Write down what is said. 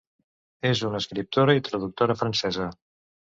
És una escriptora i traductora francesa.